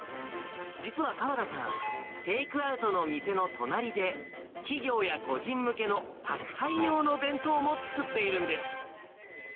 実は川田さん、テイクアウトの店の隣で、企業や個人向けの宅配用の弁当も作ってるんです。